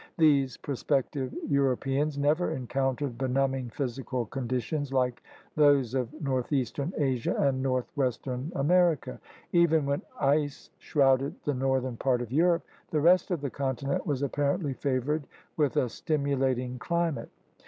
These prospective Euro peans never encountered benumbing physical con ditions like those of northeastern Asia and north western America. Even when ice shrouded the northern part of Europe, the rest of the continent was apparently favored with a stimulating climate.